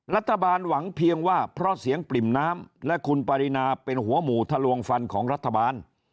รัฐบาลหวังเพียงว่าเพราะเสียงปริ่มน้ำและคุณปรินาเป็นหัวหมู่ทะลวงฟันของรัฐบาล